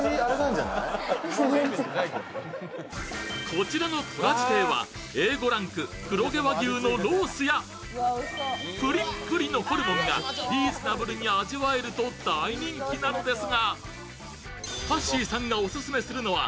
こちらのとらじ亭はＡ５ランク黒毛和牛のロースやプリプリのホルモンがリーズナブルに味わえると大人気なんです。